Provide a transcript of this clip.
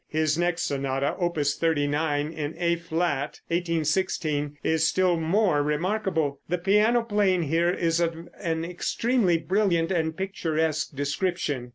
His next sonata, Opus 39, in A flat (1816), is still more remarkable. The piano playing here is of an extremely brilliant and picturesque description.